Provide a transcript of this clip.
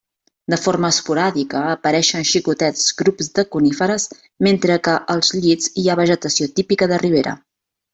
De forma esporàdica apareixen xicotets grups de coníferes, mentre que als llits hi ha vegetació típica de ribera.